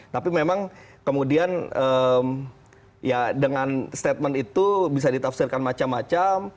tapi memang kemudian ya dengan statement itu bisa ditafsirkan macam macam